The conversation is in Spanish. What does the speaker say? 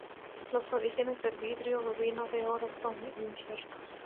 Los orígenes del vidrio rubino de oro son inciertos.